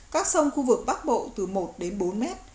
các sông khu vực bắc bộ từ một đến bốn mét